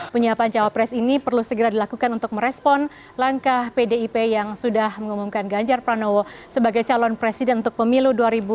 penyiapan cawapres ini perlu segera dilakukan untuk merespon langkah pdip yang sudah mengumumkan ganjar pranowo sebagai calon presiden untuk pemilu dua ribu dua puluh